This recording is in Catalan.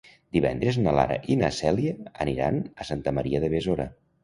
Divendres na Lara i na Cèlia aniran a Santa Maria de Besora.